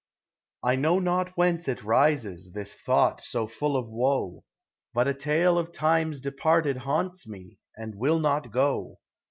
I know not whence it rises, This thought so full of woe ;— But a tale of times departed Haunts me — and will not go.